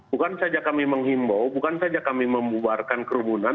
bukan saja kami menghimbau bukan saja kami membuarkan kerumunan